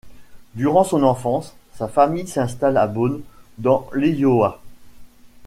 Durant son enfance, sa famille s'installe à Boone dans l'Iowa.